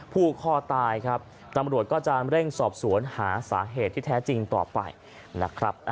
ผูกคอตายครับตำรวจก็จะเร่งสอบสวนหาสาเหตุที่แท้จริงต่อไปนะครับ